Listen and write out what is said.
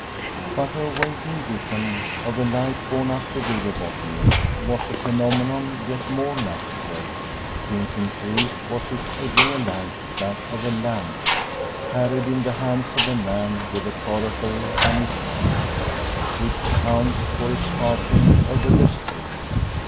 But her waking vision, of a light borne up the river bottom, was a phenomenon yet more natural; since in truth was it a real light, that of a lamp, carried in the hands of a man with a coracle on his back, which accounts for its passing over the stream.